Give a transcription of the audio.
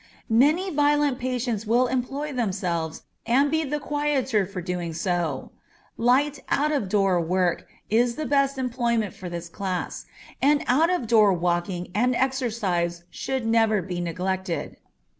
Many violent patients will employ themselves and be the quieter for so doing. Light out of door work is the best employment for this class, and out of door walking and exercise should never be neglected.